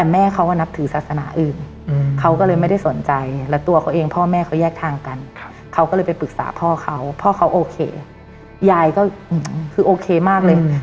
แม่เขาก็นับถือศาสนาอื่นเขาก็เลยไม่ได้สนใจแล้วตัวเขาเองพ่อแม่เขาแยกทางกันเขาก็เลยไปปรึกษาพ่อเขาพ่อเขาโอเคยายก็คือโอเคมากเลย